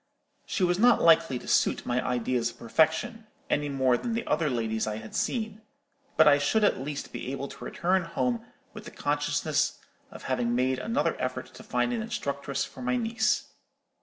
She was not likely to suit my ideas of perfection, any more than the other ladies I had seen; but I should at least be able to return home with the consciousness of having made another effort to find an instructress for my niece.